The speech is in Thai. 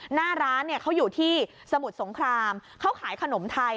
หน้าร้านเนี่ยเขาอยู่ที่สมุทรสงครามเขาขายขนมไทย